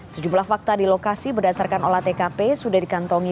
sejumlah fakta di lokasi berdasarkan olah tkp sudah dikantongi